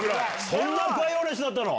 そんなバイオレンスだったの？